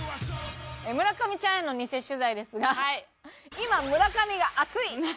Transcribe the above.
村上ちゃんへの偽取材ですが「今、村上が熱い！